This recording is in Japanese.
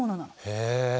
へえ。